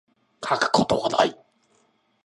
書くことない